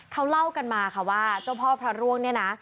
เขาเล่ากันมาค่ะว่าเจ้าพ่อพระร่วงเนี่ยนะ